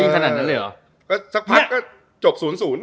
สักพักก็จบ๐๐